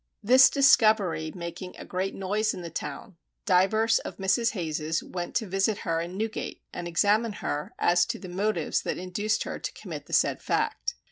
This discovery making a great noise in the town, divers of Mrs. Hayes's went to visit her in Newgate and examine her as to the and motives that induced her to commit the said fact.